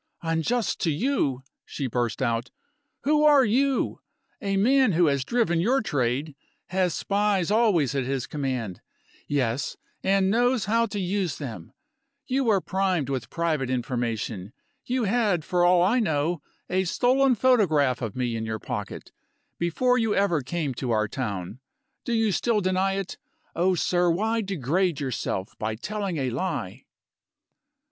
"Unjust to You!" she burst out. "Who are You? A man who has driven your trade has spies always at his command yes! and knows how to use them. You were primed with private information you had, for all I know, a stolen photograph of me in your pocket before ever you came to our town. Do you still deny it? Oh, sir, why degrade yourself by telling a lie?"